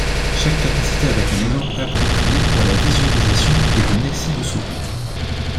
Chaque capacité avec un exemple approprié pour la visualisation est donnée ci-dessous.